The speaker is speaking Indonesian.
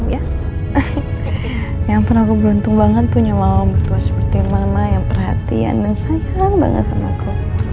ya ampun aku beruntung banget punya mama betul seperti mama yang perhatian dan sayang banget sama aku